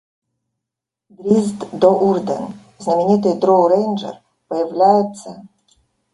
Дриззт До'Урден, знаменитый дроу-рейнджер, появляется